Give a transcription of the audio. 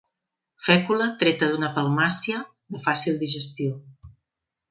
Fècula treta d'una palmàcia, de fàcil digestió.